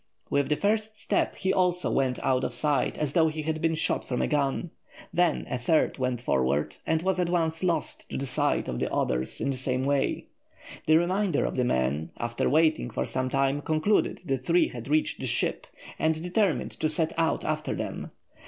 With the first step he also went out of sight as though he had been shot from a gun. Then a third went forward, and was at once lost to the sight of the others in the same way. The remainder of the men, after waiting for some time, concluded the three had reached the ship, and determined to set out after them.